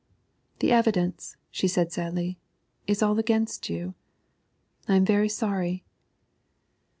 'The evidence,' she said sadly, 'is all against you. I am very sorry.'